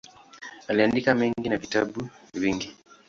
Aliandika mengi na vitabu vingi.